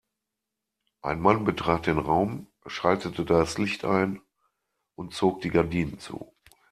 Ein Mann betrat den Raum, schaltete das Licht ein und zog die Gardinen zu.